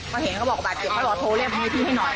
เมื่อเห็นเขาบอกว่าบาดเก็บเขาบอกโทรเล่มให้พี่ให้หน่อย